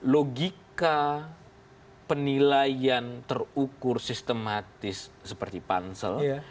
logika penilaian terukur sistematis seperti pansel